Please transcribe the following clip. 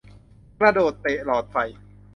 กระโดดเตะหลอดไฟ